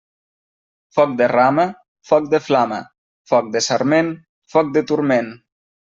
Foc de rama, foc de flama; foc de sarment, foc de turment.